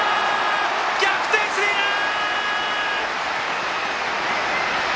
逆転スリーラン！